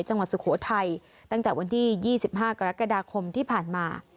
สุโขทัยตั้งแต่วันที่๒๕กรกฎาคมที่ผ่านมา